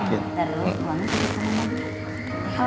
terus uangnya di sana nabi